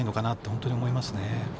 本当に思いますね。